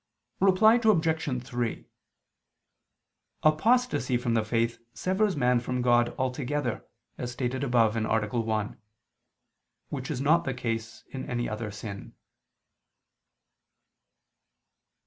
Reply Obj. 3: Apostasy from the faith severs man from God altogether, as stated above (A. 1), which is not the case in any other sin.